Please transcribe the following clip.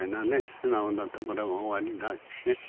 素直なところがおありだしね。